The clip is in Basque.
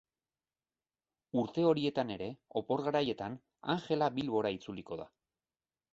Urte horietan ere, opor garaietan, Angela Bilbora itzuliko da.